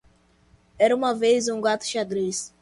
Era uma vez, um gato xadrez.